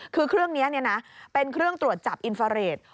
คือเครื่องนี้เป็นเครื่องตรวจจับอินฟาเรท